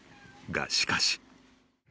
［がしかし］